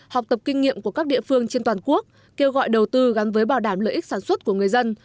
học tập kinh nghiệm của các địa phương trên toàn quốc kêu gọi đầu tư gắn với bảo đảm lợi ích sản xuất của người dân